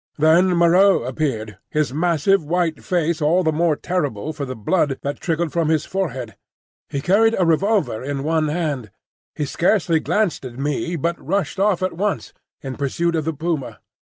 Then Moreau appeared, his massive white face all the more terrible for the blood that trickled from his forehead. He carried a revolver in one hand. He scarcely glanced at me, but rushed off at once in pursuit of the puma.